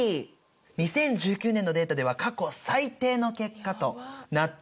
２０１９年度のデータでは過去最低の結果となっております。